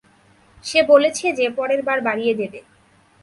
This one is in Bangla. সে বলেছে যে, পরেরবার বাড়িয়ে দেবে।